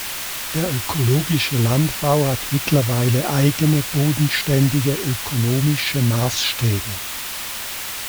Der ökologische Landbau hat mittlerweile eigene bodenständige ökonomische Maßstäbe.